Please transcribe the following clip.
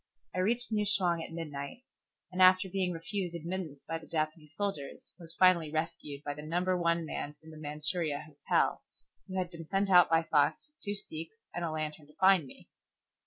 I reached New Chwang at midnight, and after being refused admittance by the Japanese soldiers, was finally rescued by the Number One man from the Manchuria Hotel, who had been sent out by Fox with two sikhs and a lantern to find me.